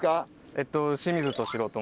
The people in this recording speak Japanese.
えっと